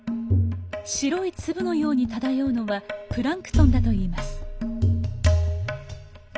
白い粒のように漂うのはプランクトンだといいます。